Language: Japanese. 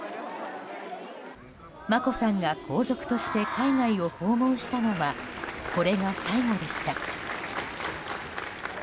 眞子さんが皇族として海外を訪問したのはこれが最後でした。